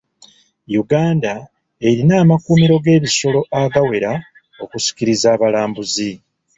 Uganda erina amakkuumiro g'ebisolo agawera okusikiriza abalambuzi.